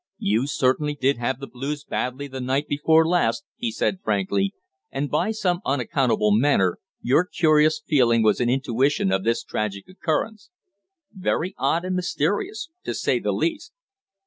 "You certainly did have the blues badly the night before last," he said frankly. "And by some unaccountable manner your curious feeling was an intuition of this tragic occurrence. Very odd and mysterious, to say the least."